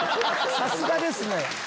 「さすがですね！」って。